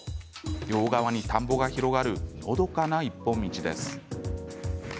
両側に田んぼが広がるのどかな一本道です。